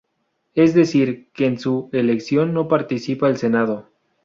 Es decir que en su elección no participa el Senado.